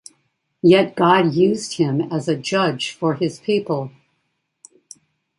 Yet God used him as a Judge for His people.